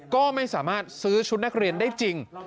ก็ไม่สามารถซื้อชุดนักเรียนได้จริง